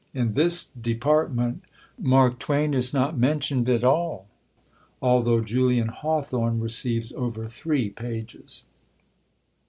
In this "department," Mark Twain is not mentioned at all, although Julian Hawthorne receives over three pages!